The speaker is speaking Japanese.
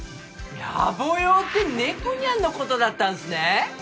やぼ用って猫にゃんのことだったんですね